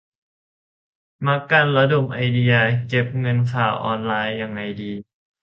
มะกันระดมไอเดีย "เก็บเงินข่าวออนไลน์"ยังไงดี ?